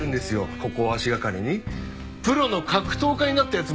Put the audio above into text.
ここを足掛かりにプロの格闘家になった奴もいるんですよ。